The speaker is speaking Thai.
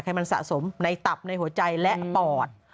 ให้มันสะสมในตับในหัวใจและปอด